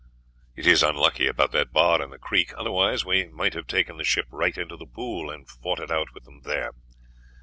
"It is unlucky about that bar in the creek, otherwise we might have taken the ship right into the pool, and fought it out with them there.